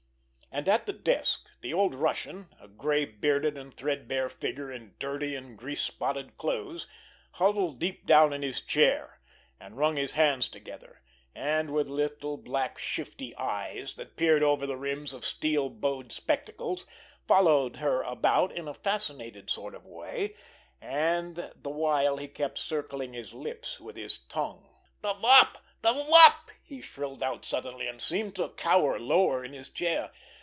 And at the desk, the old Russian, a gray bearded and threadbare figure in dirty and grease spotted clothes, huddled deep down in his chair, and wrung his hands together, and with little, black, shifty eyes, that peered over the rims of steel bowed spectacles, followed her about in a fascinated sort of way, and the while he kept circling his lips with his tongue. "The Wop! The Wop!" he shrilled out suddenly, and seemed to cower lower in his chair.